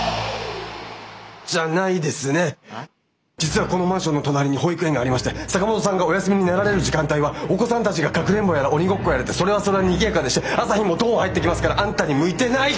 実はこのマンションの隣に保育園がありまして坂本さんがお休みになられる時間帯はお子さんたちがかくれんぼやら鬼ごっこやらでそれはそれはにぎやかでして朝日もドン入ってきますからあんたに向いてない！